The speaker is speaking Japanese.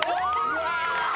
うわ！